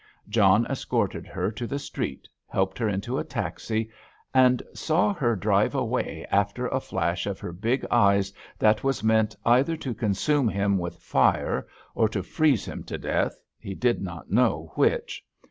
John escorted her to the street, helped her into a taxi, and saw her drive away after a flash of her big eyes that was meant either to consume him with fire or to freeze him to death; he did not know which.